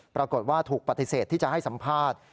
ปรากฏว่าถูกปฏิเสธที่จะให้สัมภาษณ์